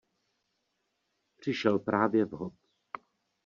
Přišel právě vhod.